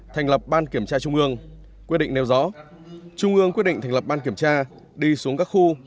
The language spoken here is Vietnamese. thành lập ban kiểm tra trung ương quyết định nêu rõ trung ương quyết định thành lập ban kiểm tra đi xuống các khu